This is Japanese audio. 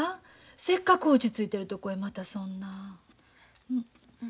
せっかく落ち着いてるとこへまたそんな。